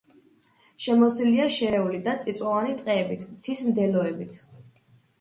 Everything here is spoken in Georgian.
შემოსილია შერეული და წიწვოვანი ტყეებით, მთის მდელოებით.